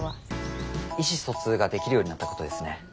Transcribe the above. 意思疎通ができるようになったことですね。